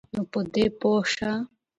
نو په دی پوهه شه